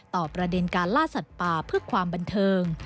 ประเด็นการล่าสัตว์ป่าเพื่อความบันเทิง